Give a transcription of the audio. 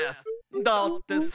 だってさ！」。